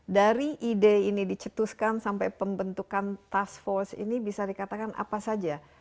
dari ide ini dicetuskan sampai pembentukan task force ini bisa dikatakan apa saja